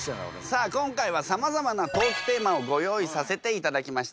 さあ今回はさまざまなトークテーマをご用意させていただきました。